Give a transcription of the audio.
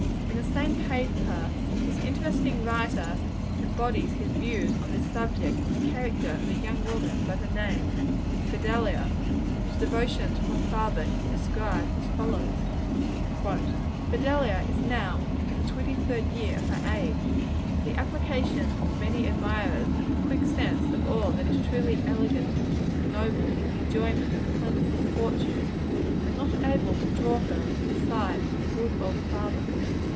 In the same paper, this interesting writer embodies his views on this subject, in the character of a young woman by the name of Fidelia, whose devotion to her father he describes as follows: "Fidelia is now in the twenty third year of her age; but the application of many admirers, and her quick sense of all that is truly elegant and noble in the enjoyment of a plentiful fortune, are not able to draw her from the side of her good old father.